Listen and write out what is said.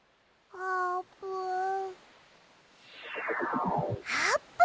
あーぷん！